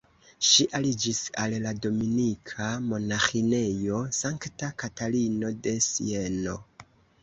Ŝi aliĝis al la Dominika monaĥinejo Sankta Katarino de Sieno.